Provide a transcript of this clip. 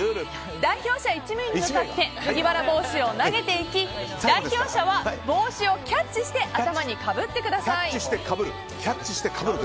代表者１名に向かって麦わら帽子を投げていき、代表者は帽子をキャッチして頭にかぶってください。